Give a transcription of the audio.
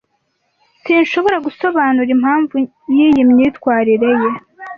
S S Sinshobora gusobanura impamvu yimyitwarire ye.